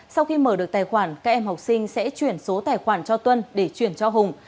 sau khi mở được tài khoản các em học sinh sẽ chuyển số tài khoản cho tuân để chuyển cho hùng